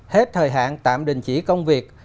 hết thời hạn tạm đình chỉ công việc